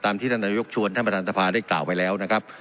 ตามที่ท่านหน่วยกชวนท่านประทันสภาษณ์ได้เกราะไปแล้วนะครับ